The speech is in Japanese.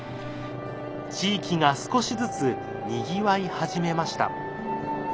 地域が少しずつにぎわい始めました。